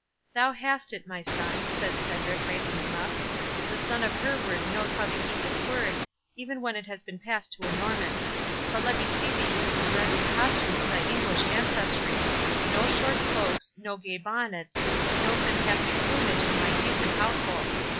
"Thou hast it, my son," said Cedric, raising him up. "The son of Hereward knows how to keep his word, even when it has been passed to a Norman. But let me see thee use the dress and costume of thy English ancestry—no short cloaks, no gay bonnets, no fantastic plumage in my decent household.